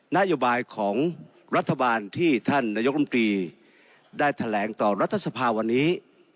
นโยบายของรัฐบาลที่ท่านนายกรมตรีได้แถลงต่อรัฐสภาวันนี้